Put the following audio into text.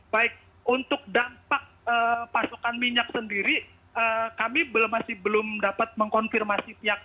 baik untuk dampak pasokan minyak sendiri kami masih belum dapat mengkonfirmasi